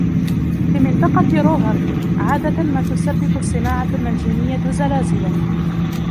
في منطقة روهر ، عادة ما تسبب الصناعة المنجمية زلازلا.